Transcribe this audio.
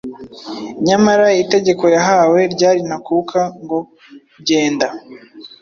Nyamara itegeko yahawe ryari ntakuka ngo, “Genda,